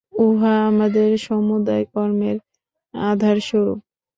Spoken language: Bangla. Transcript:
উহা আমাদের সমুদয় কর্মের আধারস্বরূপ।